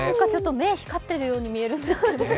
目、光ってるように見えるんですけど。